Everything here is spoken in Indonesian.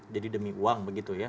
jadi demi uang begitu ya